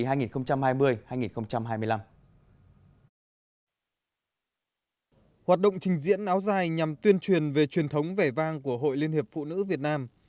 hoạt động trình diễn áo dài nhằm tuyên truyền về truyền thống vẻ vang của hội liên hiệp phụ nữ việt nam